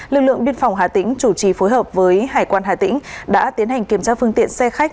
lực lượng biên phòng hà tĩnh chủ trì phối hợp với hải quan hà tĩnh đã tiến hành kiểm tra phương tiện xe khách